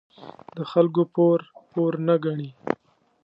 د خلکو پور، پور نه گڼي.